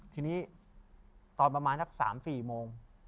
ทีนี้ตอนประมาณสัก๓๔โมง